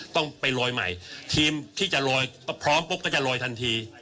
ต้องไปลอยใหม่ทีมที่จะลอยพร้อมปุ๊บก็จะลอยทันที